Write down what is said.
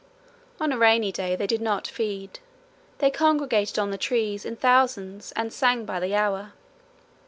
On a rainy day they did not feed: they congregated on the trees in thousands and sang by the hour.